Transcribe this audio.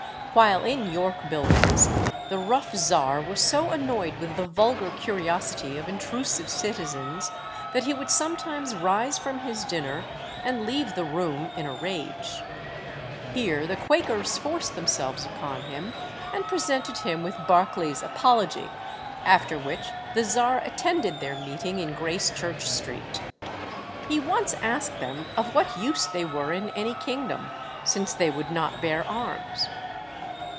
While in York Buildings, the rough czar was so annoyed with the vulgar curiosity of intrusive citizens, that he would sometimes rise from his dinner and leave the room in a rage. Here the Quakers forced themselves upon him, and presented him with Barclay's Apology, after which the czar attended their meeting in Gracechurch Street. He once asked them of what use they were in any kingdom, since they would not bear arms.